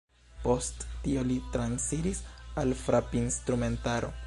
Post tio li transiris al frapinstrumentaro.